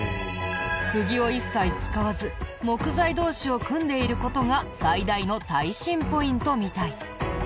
釘を一切使わず木材同士を組んでいる事が最大の耐震ポイントみたい。